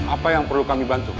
apa yang perlu kami bantu